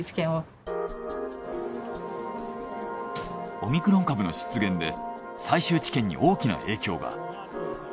オミクロン株の出現で最終治験に大きな影響が。